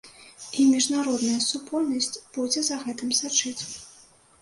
І міжнародная супольнасць будзе за гэтым сачыць.